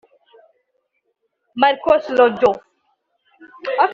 Marcos Rojo